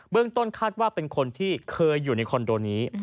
ต้นคาดว่าเป็นคนที่เคยอยู่ในคอนโดนี้